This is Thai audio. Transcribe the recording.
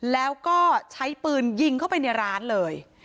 แล้วก็ใช้ปืนยิงเข้าไปในร้านเลย